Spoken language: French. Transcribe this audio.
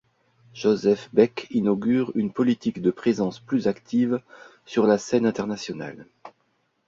Joseph Bech inaugure une politique de présence plus active sur la scène internationale.